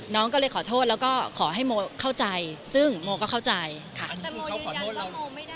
น้องก็เลยขอโทษแล้วก็ขอให้โมเข้าใจซึ่งโมก็เข้าใจค่ะ